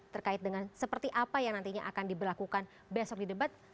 terkait dengan seperti apa yang nantinya akan diberlakukan besok di debat